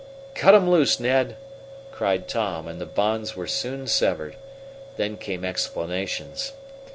"Cut 'em loose, Ned!" cried Tom, and the bonds were soon severed. Then came explanations.